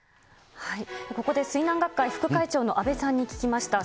ここで水難学会副会長の安倍さんに聞きました。